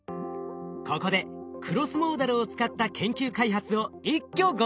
ここでクロスモーダルを使った研究開発を一挙ご紹介。